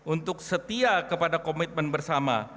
untuk setia kepada komitmen bersama